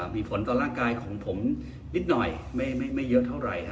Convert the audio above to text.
มีผลต่อร่างกายของผมนิดหน่อยไม่เยอะเท่าไหร่